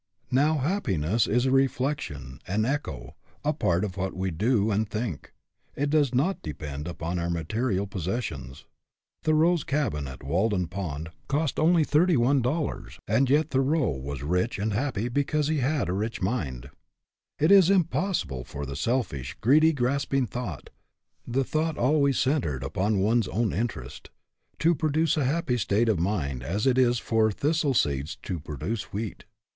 Now, happiness is a reflection, an echo, a part of what we do and think. It does not depend upon our material possessions. Thor eau's cabin, at Walden Pond, cost only thirty 160 HAPPY? IF NOT, WHY NOT? one dollars, and yet Thoreau was rich and happy because he had a rich mind. It is as impossible for the selfish, greedy, grasping thought, the thought always cen tered upon one's own interest, to produce a happy state of mind as it is for thistle seeds to produce wheat.